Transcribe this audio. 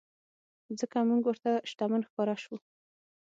ځکه مونږ ورته شتمن ښکاره شوو.